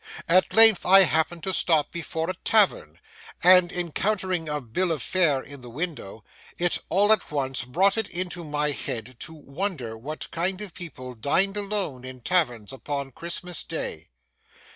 At length I happened to stop before a Tavern, and, encountering a Bill of Fare in the window, it all at once brought it into my head to wonder what kind of people dined alone in Taverns upon Christmas Day.